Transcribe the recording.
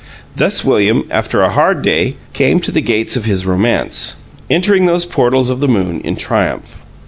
... Thus William, after a hard day, came to the gates of his romance, entering those portals of the moon in triumph.